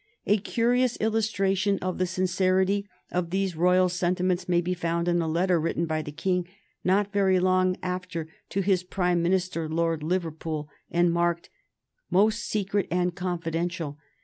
A curious illustration of the sincerity of these royal sentiments may be found in a letter written by the King not very long after to his Prime Minister, Lord Liverpool, and marked "Most secret and confidential."